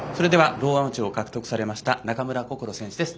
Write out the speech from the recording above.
ローアマチュアを獲得されました中村心選手です。